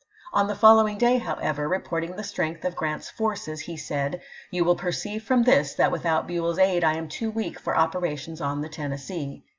On the following day, however, reporting the strength of Grrant's forces, he said :" You will perceive from this that without Buell's aid I am too weak for operations on the Tennessee."